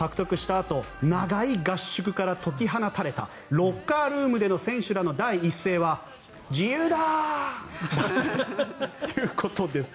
あと長い合宿から解き放たれたロッカールームでの選手らの第一声は自由だあああ！ということです。